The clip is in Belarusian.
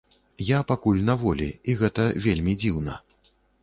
Я пакуль на волі і гэта вельмі дзіўна.